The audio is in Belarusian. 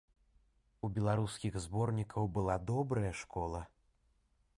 У беларускіх зборнікаў была добрая школа.